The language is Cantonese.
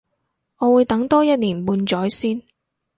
我會等多一年半載先